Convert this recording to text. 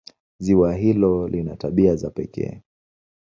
Ziwa hilo lina tabia za pekee.